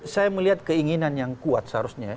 saya melihat keinginan yang kuat seharusnya